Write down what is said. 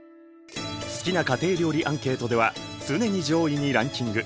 好きな家庭料理アンケートでは常に上位にランキング。